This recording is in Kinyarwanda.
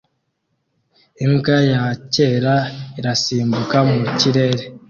Imbwa yakera irasimbuka mu kirere